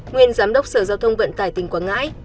nguyên giám đốc sở giao thông vận tải tỉnh quảng ngãi